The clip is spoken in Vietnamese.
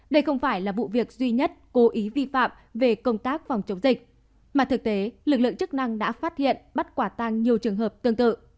đây không phải là vụ việc duy nhất cố ý vi phạm về công tác phòng chống dịch mà thực tế lực lượng chức năng đã phát hiện bắt quả tăng nhiều trường hợp tương tự